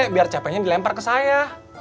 biar capeknya dilempar ke saya